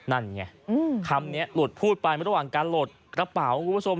นั่นไงคำนี้หลุดพูดไประหว่างการหลดกระเป๋าคุณผู้ชม